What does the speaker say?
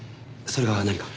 それが何か？